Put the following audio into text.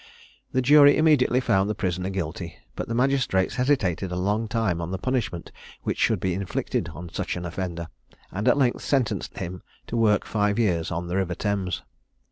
The jury immediately found the prisoner guilty; but the magistrates hesitated a long time on the punishment which should be inflicted on such an offender, and at length sentenced him to work five years on the river Thames.